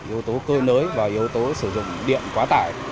yếu tố cơi nới và yếu tố sử dụng điện quá tải